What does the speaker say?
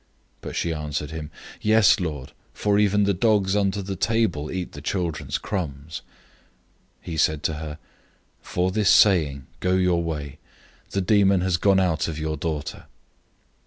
007:028 But she answered him, "Yes, Lord. Yet even the dogs under the table eat the children's crumbs." 007:029 He said to her, "For this saying, go your way. The demon has gone out of your daughter."